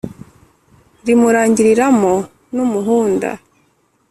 Rimurangiriramo n'umuhunda.